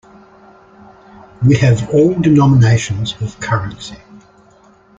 We have all denominations of currency.